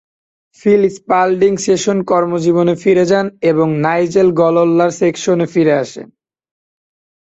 Feel Spalding session কর্মজীবনে ফিরে যান এবং নাইজেল গ্লললার স্যাক্সনে ফিরে আসেন।